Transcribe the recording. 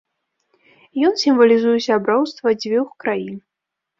Ён сімвалізуе сяброўства дзвюх краін.